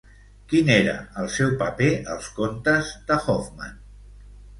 Quin era el seu paper als Contes de Hoffmann?